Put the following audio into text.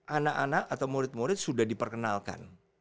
anak anak atau murid murid sudah diperkenalkan